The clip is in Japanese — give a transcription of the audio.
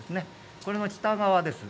それの北側です。